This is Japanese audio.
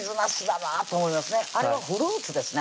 あれはフルーツですね